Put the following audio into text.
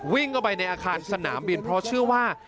วิ่งเข้าไปในอาคารสนามบินเพราะเชื่อว่า